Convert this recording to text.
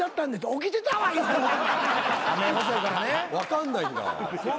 分かんないんだ。